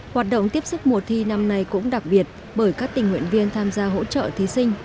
hoạt động tiếp sức mùa thi năm nay cũng đặc biệt bởi các tình nguyện viên tham gia hỗ trợ thí sinh